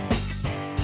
gak ada apa apa